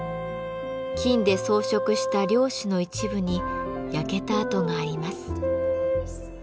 金で装飾した料紙の一部に焼けた跡があります。